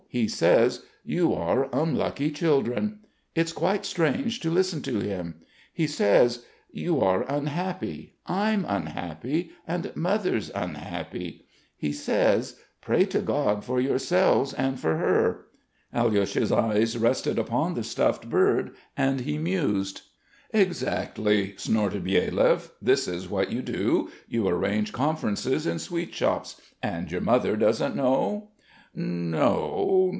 He says: 'You are unlucky children.' It's quite strange to listen to him. He says: 'You are unhappy, I'm unhappy, and Mother's unhappy.' He says: 'Pray to God for yourselves and for her.'" Alyosha's eyes rested upon the stuffed bird and he mused. "Exactly...." snorted Byelyaev. "This is what you do. You arrange conferences in sweet shops. And your mother doesn't know?" "N no....